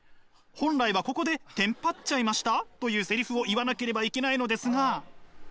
本来はここで「テンパっちゃいました？」というセリフを言わなければいけないのですが。